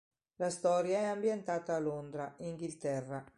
La storia è ambientata a Londra, Inghilterra.